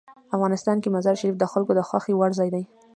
افغانستان کې مزارشریف د خلکو د خوښې وړ ځای دی.